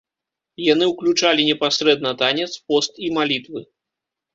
Яны ўключалі непасрэдна танец, пост і малітвы.